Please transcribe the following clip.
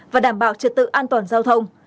và đảm bảo trật tự an toàn giao thông